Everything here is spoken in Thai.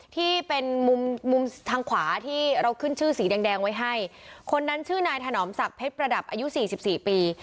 ที่เป็นมุมมุมทางขวาที่เราขึ้นชื่อสีแดงแดงไว้ให้คนนั้นชื่อนายถนอมศักดิ์เพชรประดับอายุสี่สิบสี่ปี